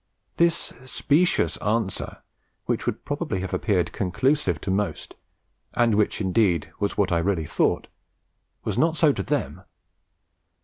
This specious answer, which would probably have appeared conclusive to most, and which indeed was what I really thought, was not so to them.